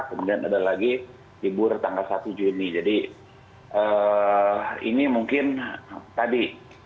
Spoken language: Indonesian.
kemudian ada lagi libur tanggal satu juni jadi ini mungkin tadi